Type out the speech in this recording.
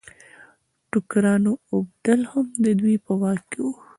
د ټوکرانو اوبدل هم د دوی په واک کې وو.